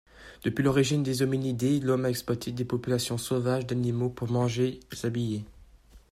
Depuis l'origine des Hominidés, l'Homme a exploité des populations sauvages d'animaux pour manger, s'habiller.